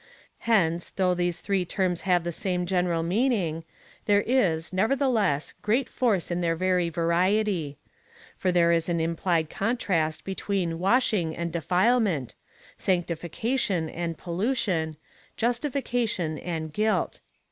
Hence, though these three terms have the same general meaning, there is, neverthe less, great force in their very variety. For there is an im plied contrast between washing and defilement — sanctifica tion and pollution — justification and guilt.